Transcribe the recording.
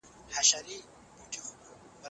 یار ته کتل د زړه د سکون لامل دی.